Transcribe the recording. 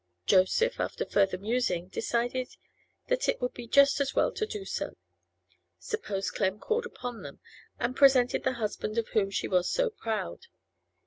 Joseph, after further musing, decided that it would be just as well to do so; suppose Clem called upon them and presented the husband of whom she was so proud?